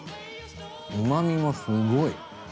うまみもすごい。